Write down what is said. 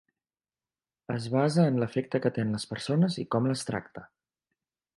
Es basa en l'afecte que té en les persones i com les tracta.